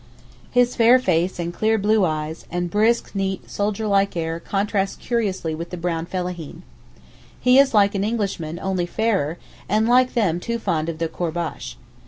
His fair face and clear blue eyes, and brisk, neat, soldier like air contrast curiously with the brown fellaheen. He is like an Englishman only fairer and like them too fond of the courbash.